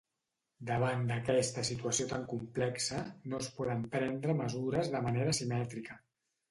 Davant d’aquesta situació tan complexa, no es poden prendre mesures de manera simètrica.